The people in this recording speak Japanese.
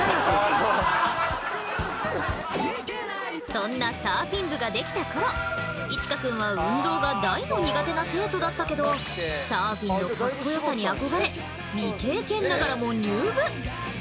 そんなサーフィン部ができた頃一奏くんは運動が大の苦手な生徒だったけどサーフィンのかっこよさに憧れ未経験ながらも入部。